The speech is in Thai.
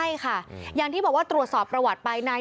ใช่ค่ะอย่างที่บอกว่าตรวจสอบประวัติไปนาย